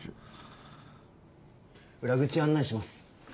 裏口案内します